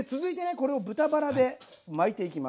これを豚バラで巻いていきます。